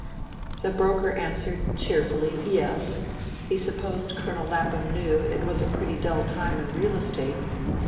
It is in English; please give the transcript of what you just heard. The broker answered cheerfully, yes; he supposed Colonel Lapham knew it was a pretty dull time in real estate?